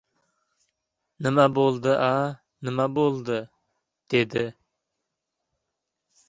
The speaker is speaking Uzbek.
— Nima bo‘ldi-a, nima bo‘ldi? — dedi.